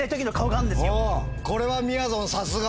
これはみやぞんさすが！